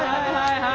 はい！